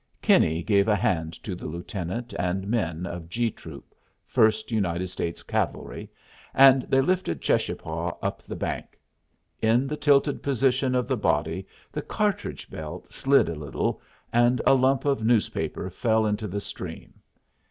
Kinney gave a hand to the lieutenant and men of G troop, First United States Cavalry, and they lifted Cheschapah up the bank. In the tilted position of the body the cartridge belt slid a little, and a lump of newspaper fell into the stream.